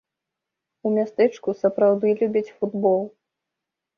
У мястэчку сапраўды любяць футбол.